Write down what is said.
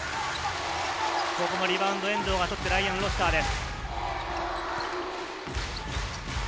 ここもリバウンドは遠藤が取ってライアン・ロシターです。